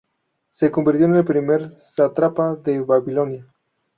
Se convirtió en el primer sátrapa de Babilonia.